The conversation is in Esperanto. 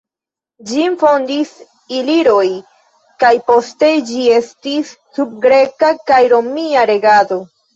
Ĝin fondis iliroj, kaj poste ĝi estis sub greka kaj romia regado.